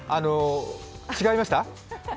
違いました？